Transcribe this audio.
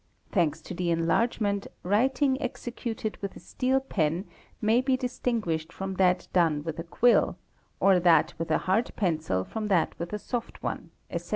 Thanks to the enlargement, writing executed with a steel pen may be distinguished from that done with a quill, or that with a hard pencil from that with a soft one, etc.